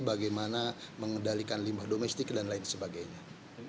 bagaimana mengendalikan limbah domestik dan lain sebagainya